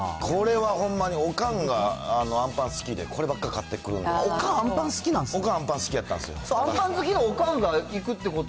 これはホンマにおかんが、あんパン好きで、こればっか買ってくるんで、おかん、あんパン好きなんですね。